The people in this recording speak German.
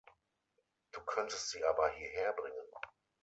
Du könntest sie aber hierher bringen!